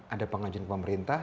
ada pengajuan ke pemerintah